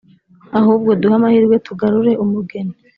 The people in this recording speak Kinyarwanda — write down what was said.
ahubwo duhe amahirwe tugarure umugeni"